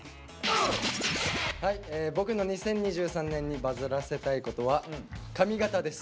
はい僕の２０２３年にバズらせたいことは髪型です。